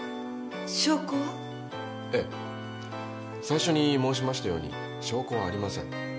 最初に申しましたように証拠はありません。